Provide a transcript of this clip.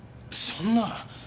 そんな。